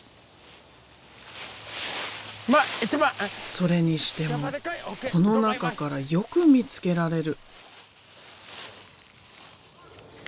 それにしてもこの中からよく見つけられる。